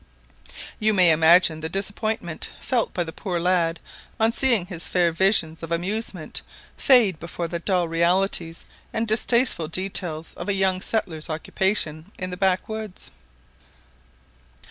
You may imagine the disappointment felt by the poor lad on seeing his fair visions of amusement fade before the dull realities and distasteful details of a young settler's occupation in the backwoods.